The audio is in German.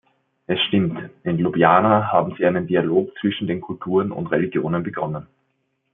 Es stimmt, in Ljubljana haben Sie einen Dialog zwischen den Kulturen und Religionen begonnen.